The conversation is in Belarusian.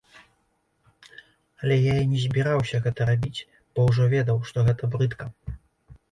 Але я і не збіраўся гэта рабіць, бо ўжо ведаў, што гэта брыдка.